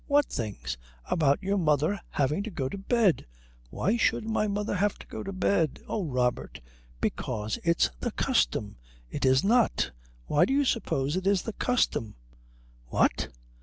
"What things?" "About your mother having to go to bed." "Why should my mother have to go to bed?" "Oh, Robert because it's the custom." "It is not. Why do you suppose it is the custom?" "What?